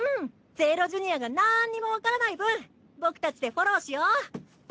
ゼーロジュニアがなんにもわからない分僕たちでフォローしよう！